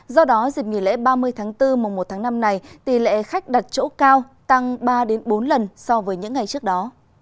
do đó dịp nghỉ lễ ba mươi tháng bốn mùa một tháng năm này tỷ lệ khách đặt chỗ cao tăng ba bốn lần so với những ngày trước đó